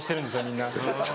みんな。